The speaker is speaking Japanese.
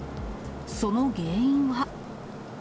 その原因は。